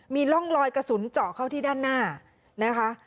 มีร่องลอยกระสุนเจาะเข้าที่ด้านหน้านะคะ